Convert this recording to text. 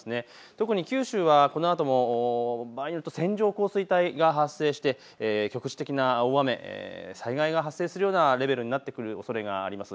特に九州はこのあとも場合によっては線状降水帯が発生して局地的な大雨、災害が発生するようなレベルになっくる可能性があります。